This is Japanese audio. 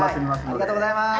ありがとうございます！